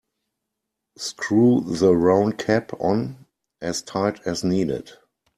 Screw the round cap on as tight as needed.